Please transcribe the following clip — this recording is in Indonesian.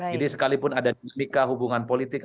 jadi sekalipun ada demikian hubungan politik